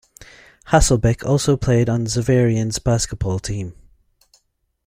Hasselbeck also played on Xaverian's basketball team.